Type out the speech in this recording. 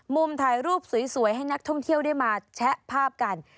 ถ่ายรูปสวยให้นักท่องเที่ยวได้มาแชะภาพกัน